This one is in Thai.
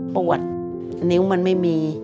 ปวดนิ้วมันไม่มี